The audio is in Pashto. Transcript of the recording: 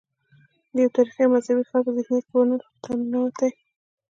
د یو تاریخي او مذهبي ښار په ذهنیت کې ورته ننوتي.